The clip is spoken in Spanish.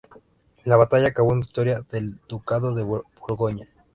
La batalla acabó en victoria del ducado de Borgoña.